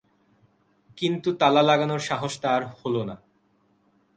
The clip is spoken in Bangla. কিন্তু তালা লাগানোর সাহস তাঁর হলো না।